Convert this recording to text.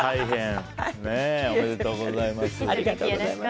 ありがとうございます。